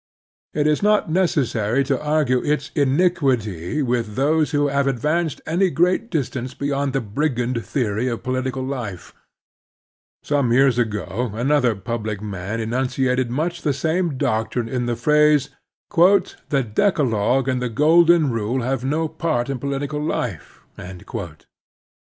It is not necessary to argue its iniquity with those who have advanced any great distance beyond the brigand theory of political life. Some years ago another jpublic man enunciated much the same doctrine in the phrase, The Decalogue and the Latitude and Longitude 47 Golden Rule have no part in political life."